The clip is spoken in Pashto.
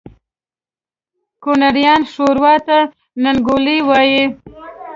کونړیان ښوروا ته ننګولی وایي